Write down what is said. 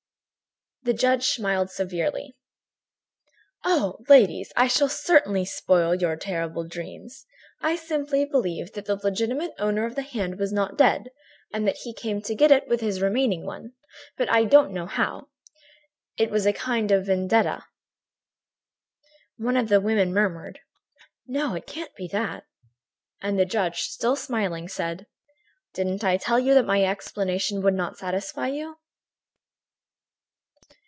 The judge smiled severely: "Oh! Ladies, I shall certainly spoil your terrible dreams. I simply believe that the legitimate owner of the hand was not dead, that he came to get it with his remaining one. But I don't know how. It was a kind of vendetta." One of the women murmured: "No, it can't be that." And the judge, still smiling, said: "Didn't I tell you that my explanation would not satisfy you?"